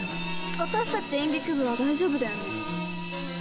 私たち演劇部は大丈夫だよね？